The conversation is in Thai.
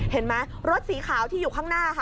โห้ยรถสีขาวที่อยู่ข้างหน้าค่ะ